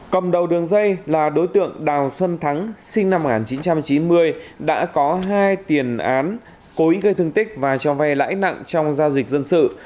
cầm đầu đường dây là đối tượng đào xuân thắng sinh năm một nghìn chín trăm chín mươi đã có hai tiền án cố ý gây thương tích và cho vay lãi nặng trong giao dịch dân sự